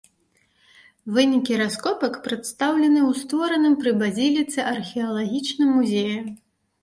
Вынікі раскопак прадстаўлены ў створаным пры базіліцы археалагічным музеі.